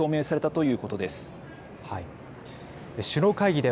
はい。